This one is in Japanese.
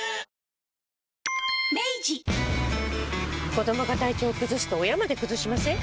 子どもが体調崩すと親まで崩しません？